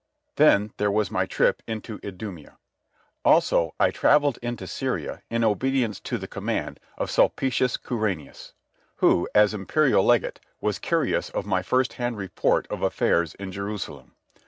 Then there was my trip into Idumæa. Also, I travelled into Syria in obedience to the command of Sulpicius Quirinius, who, as imperial legate, was curious of my first hand report of affairs in Jerusalem.